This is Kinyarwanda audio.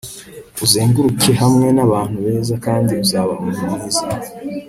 uzenguruke hamwe n'abantu beza kandi uzaba umuntu mwiza